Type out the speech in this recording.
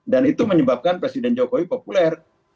dan itu menyebabkan presiden jokowi populer